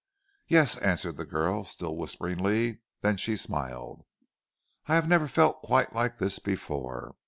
"Yes," answered the girl, still whisperingly, then she smiled. "I have never felt quite like this before.